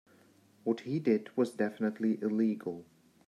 What he did was definitively illegal.